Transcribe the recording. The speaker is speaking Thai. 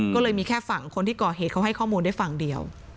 ก็เลยมีแค่ฝั่งคนที่ก่อเหตุเขาให้ข้อมูลได้ฝั่งเดียว